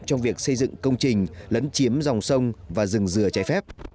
trong việc xây dựng công trình lấn chiếm dòng sông và rừng dừa trái phép